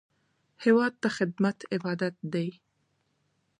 هېواد ته خدمت عبادت دی